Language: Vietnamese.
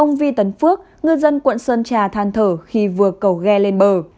ông vi tấn phước ngư dân quận sơn trà than thở khi vừa cầu ghe lên bờ